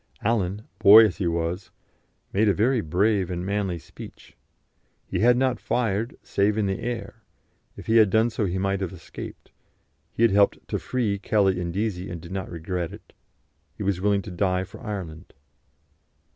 Allen, boy as he was, made a very brave and manly speech; he had not fired, save in the air if he had done so he might have escaped; he had helped to free Kelly and Deasy, and did not regret it; he was willing to die for Ireland.